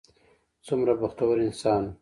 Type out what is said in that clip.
څومره بختور انسان و.